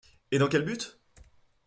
Et dans quel but ?